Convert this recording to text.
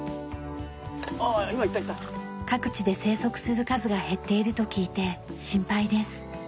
各地で生息する数が減っていると聞いて心配です。